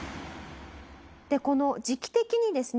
でこの時期的にですね